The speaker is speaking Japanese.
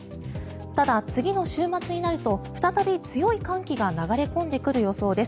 ただ、次の週末になると再び強い寒気が流れ込んでくる予想です。